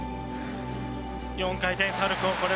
４回転サルコー